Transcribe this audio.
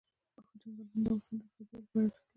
چنګلونه د افغانستان د اقتصادي ودې لپاره ارزښت لري.